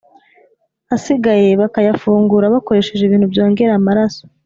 Asigaye bakayafungura bakoresheje ibintu byongera amaraso